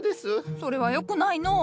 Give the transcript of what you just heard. それはよくないのう。